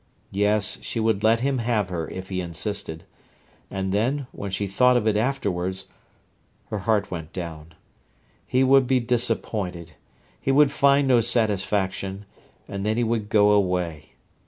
Yes, she would let him have her if he insisted; and then, when she thought of it afterwards, her heart went down. He would be disappointed, he would find no satisfaction, and then he would go away.